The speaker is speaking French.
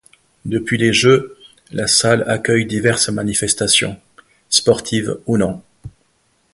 Depuis les Jeux, la salle accueille diverses manifestations, sportives ou non.